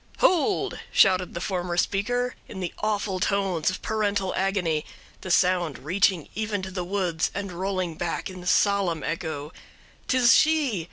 "'Hold!' shouted the former speaker, in the awful tones of parental agony, the sound reaching even to the woods, and rolling back in solemn echo. ''Tis she!